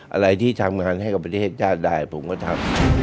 อะไรที่ทำงานให้กับประเทศชาติได้ผมก็ทำ